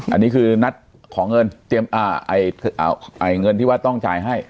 อันนี้คือนัดขอเงินเตรียมเงินที่ว่าต้องจ่ายให้